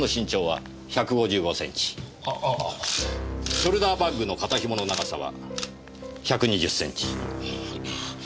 ショルダーバッグの肩紐の長さは１２０センチ。